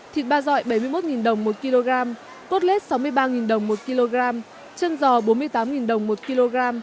thịt ba dọi bảy mươi một đồng một kg cốt lết sáu mươi ba đồng một kg chân giò bốn mươi tám đồng một kg